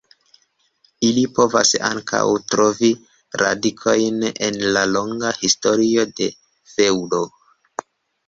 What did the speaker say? Ili povas ankaŭ trovi radikojn en la longa historio de feŭdo.